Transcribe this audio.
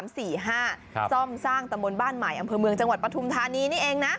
ซ่อมสร้างตำบลบ้านใหม่อำเภอเมืองจังหวัดปฐุมธานีนี่เองนะ